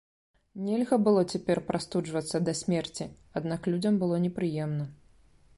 Нельга было цяпер прастуджвацца да смерці, аднак людзям было непрыемна.